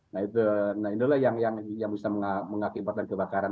nah itu nah inilah yang bisa mengakibatkan kebakaran